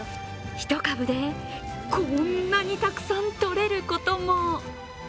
１株で、こんなにたくさんとれることも。